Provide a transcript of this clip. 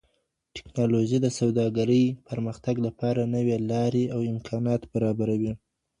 ټکنالوژي د سوداګرۍ پرمختګ لپاره نوې لارې او امکانات برابروي.